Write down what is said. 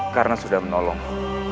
karena sudah menolongku